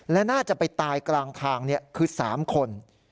และน่าจะไปตายกลางทางคือ๓คน